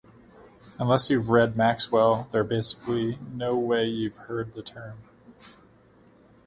Unless you’ve read Maxwell, there’s basically no way you’ve heard the term.